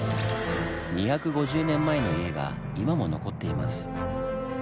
２５０年前の家が今も残っています。